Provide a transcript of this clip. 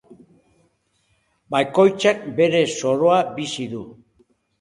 Bakoitzak bere zoroa bizi du.